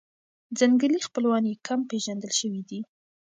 ځنګلي خپلوان یې کم پېژندل شوي دي.